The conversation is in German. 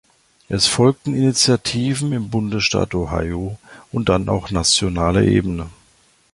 Es folgten Initiativen im Bundesstaat Ohio und dann auch nationaler Ebene.